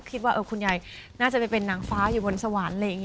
เคยมาให้ลูกหลานเห็นลึกตัวคุณเอง